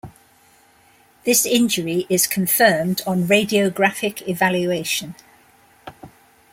This injury is confirmed on radiographic evaluation.